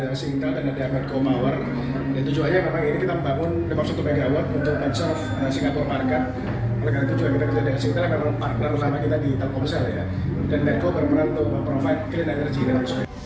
dengan betko berperan untuk memprovide clean energy dan sebagainya